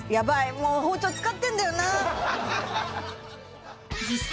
もう包丁使ってんだよな実際